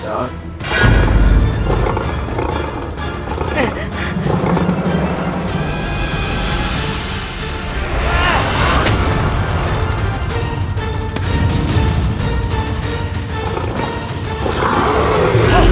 kau akan menjaga aku